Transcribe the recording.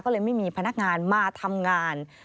ก็เลยไม่มีพนักงานมาทำงาน